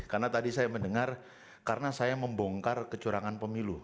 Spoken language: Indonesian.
karena tadi saya mendengar karena saya membongkar kecurangan pemilu